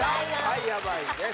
やばいです